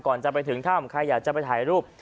จะไปถึงถ้ำใครอยากจะไปถ่ายรูป